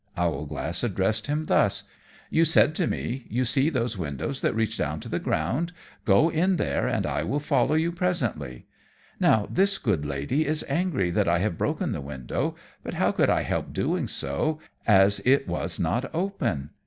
Owlglass addressed him thus, "You said to me, you see those windows that reach down to the ground go in there, and I will follow you presently. Now this good lady is angry that I have broken the window, but how could I help doing so, as it was not open?